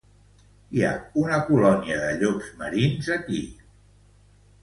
Hi ha una colònia de llops marins aquí.